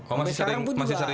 oh masih sering ngobrol juga ya